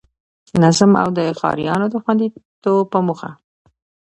نظم او د ښاريانو د خوندیتوب په موخه